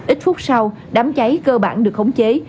ít phút sau đám cháy cơ bản được khống chế